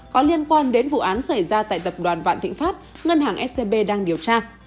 có liên quan đến vụ án xảy ra tại tập đoàn vạn thịnh pháp ngân hàng scb đang điều tra